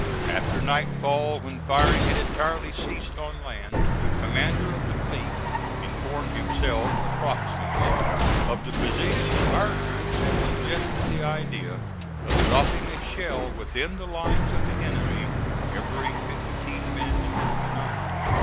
After nightfall, when firing had entirely ceased on land, the commander of the fleet informed himself, approximately, of the position of our troops and suggested the idea of dropping a shell within the lines of the enemy every fifteen minutes during the night.